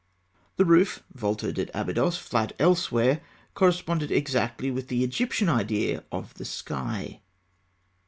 The roof, vaulted at Abydos, flat elsewhere, corresponded exactly with the Egyptian idea of the sky.